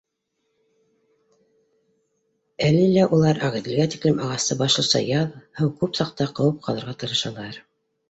Әле лә улар Ағиҙелгә тиклем ағасты башлыса яҙ, һыу күп саҡта, ҡыуып ҡалырға тырышалар